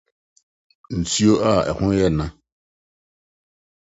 Nsu a ɛho yɛ na